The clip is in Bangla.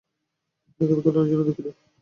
ব্যাঘাত ঘটানোর জন্য দুঃখিত।